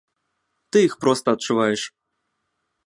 Ты іх проста адчуваеш.